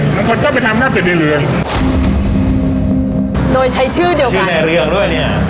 บางคนก็ไปทำหน้าเป็ดในเรืองโดยใช้ชื่อเดียวกันชื่อในเรืองด้วยเนี่ย